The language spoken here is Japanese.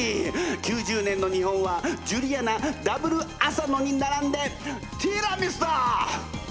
９０年の日本はジュリアナＷ浅野に並んでティラミスだ！